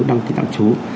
đăng ký tạm trú